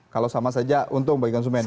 kalau sama saja untung bagi konsumen